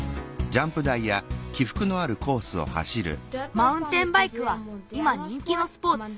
マウンテンバイクはいまにんきのスポーツ。